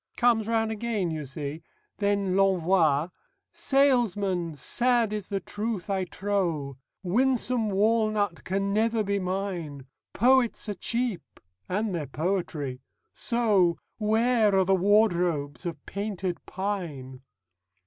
_' "Comes round again, you see! Then L'Envoy: "'Salesman, sad is the truth I trow: Winsome walnut can never be mine. Poets are cheap. And their poetry. So _Where are the wardrobes of Painted Pine?